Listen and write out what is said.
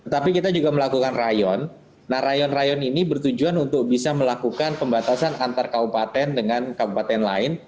tapi kita juga melakukan rayon nah rayon rayon ini bertujuan untuk bisa melakukan pembatasan antar kabupaten dengan kabupaten lain